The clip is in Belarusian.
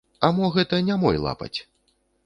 А мо гэта не мой лапаць?